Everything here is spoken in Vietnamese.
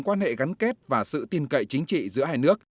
quan hệ gắn kết và sự tin cậy chính trị giữa hai nước